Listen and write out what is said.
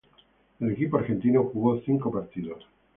El equipo argentino jugó cinco partidos.